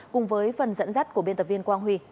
cùng với phần dẫn dắt của biên tập viên quang huy